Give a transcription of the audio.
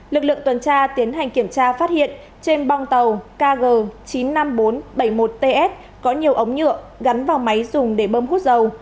lực lượng tuần tra tiến hành kiểm tra phát hiện trên bong tàu kg chín mươi năm nghìn bốn trăm bảy mươi một ts có nhiều ống nhựa gắn vào máy dùng để bơm hút dầu